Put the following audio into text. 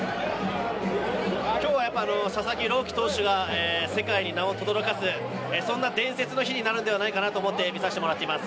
今日は佐々木朗希投手が世界に名をとどろかす、そんな伝説の日になるのではないかと思っています。